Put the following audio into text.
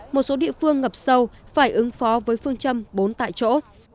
một số địa phương ngập sâu phải ứng phó với phương châm bốn tại chỗ